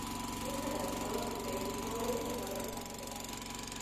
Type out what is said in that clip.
მიუხედავად ყველაფრისა, იგი ჩვეულებრივ ცხოვრებას მისდევდა.